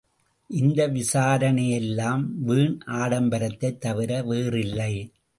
இந்த விசாரனையெல்லாம் வீண் ஆடம்பரத்தைத் தவிர வேறில்லை.